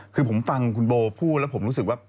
คือผมฟังคุณโบพูดแล้วผมรู้สึกว่า